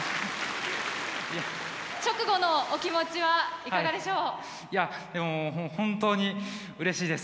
直後のお気持ちはいかがでしょう？